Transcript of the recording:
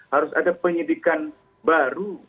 harus ada penyidikan baru